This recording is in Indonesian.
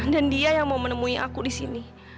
dan dia yang mau menemui aku di sini